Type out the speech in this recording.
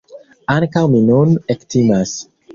Ankaŭ mi nun ektimas.